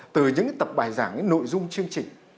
từ những tập bài giảng nội dung chương trình